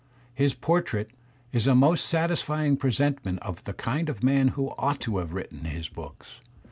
. His portrait is a most satisfying presentment of the kind of man who ought to have written his books.